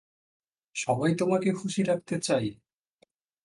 সবাই তোমাকে খুশি রাখতে চায়?